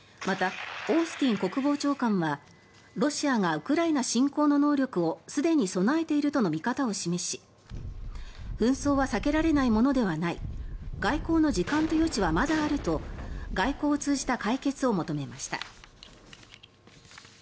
また、オースティン国防長官はロシアがウクライナ侵攻の能力をすでに備えているとの見方を示し紛争は避けられないものではない外交の時間と余地はまだあると外交を通じた解決を求めました。